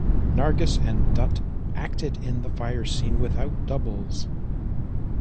Nargis and Dutt acted in the fire scene without doubles.